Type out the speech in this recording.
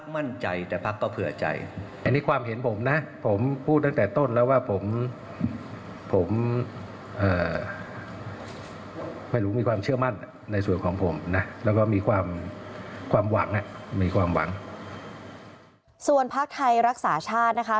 มีความหวังส่วนพักไทยรักษาชาตินะคะ